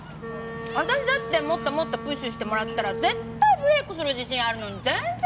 私だってもっともっとプッシュしてもらったら絶対ブレイクする自信あるのに全然なんだもん。